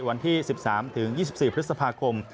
วันที่๑๓๒๔พฤษภาคม